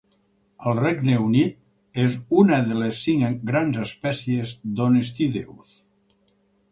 Al Regne Unit, és una de les cinc grans espècies d'oniscideus.